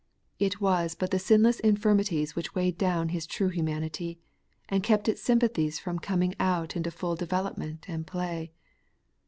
It wa^ but the sinless infirmities which weighed down His true humanity, and kept its sympathies from coming out into full development and play.